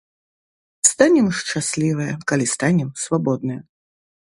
Станем шчаслівыя, калі станем свабодныя.